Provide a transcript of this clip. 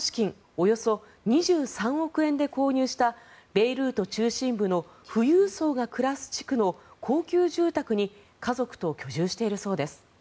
およそ２３億円で購入したベイルート中心部の富裕層が暮らす地区の高級住宅に家族と居住しているそうです。